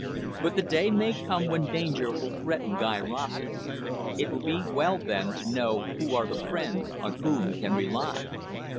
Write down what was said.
But the day may come when danger will threaten Guy Rossett. It will be well then to know who are the friends on whom he can rely.